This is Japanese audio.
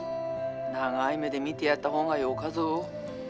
☎長い目で見てやった方がよかぞ。